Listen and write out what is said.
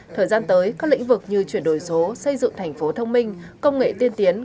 thời gian tới các lĩnh vực như chuyển đổi số xây dựng thành phố thông minh công nghệ tiên tiến